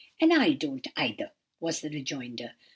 "'And I don't, either,' was the rejoinder.